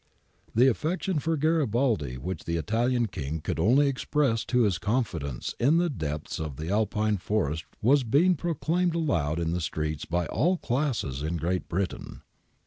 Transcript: '* The affection for Garibaldi which the Italian King could only express to his confidants in the depths of the Alpine forest, was being proclaimed aloud in the streets by all classes in Great Britain.